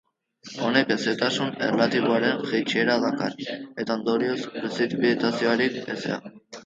Honek hezetasun erlatiboaren jaitsiera dakar, eta ondorioz, prezipitaziorik eza.